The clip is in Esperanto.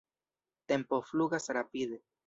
Tempo flugas rapide.